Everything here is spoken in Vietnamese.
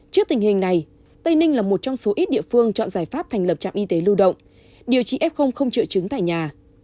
trước tình hình này tây ninh là một trong số ít địa phương chọn giải pháp thành lập trạm y tế lưu động điều trị f không triệu chứng tại nhà